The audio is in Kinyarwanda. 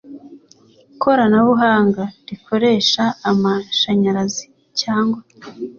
koranabuhanga rikoresha amashanyarazi cyangwa